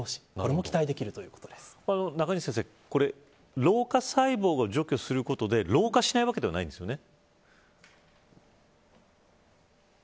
これも期待できる中西先生これ老化細胞を除去することで老化しないわけではないんですよね。